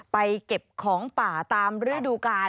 ไปเก็บของป่าตามฤดูกาล